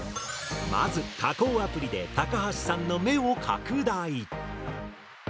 まず加工アプリで高橋さんの目を拡大。